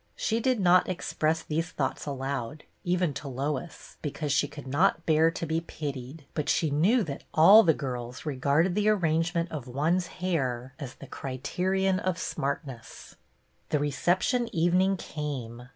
She did not exjDress these thoughts aloud, even to Lois, because she could not bear to be pitied; but she knew that all the girls regarded the arrangement of one's hair as the criterion of " smartness." The reception evening came.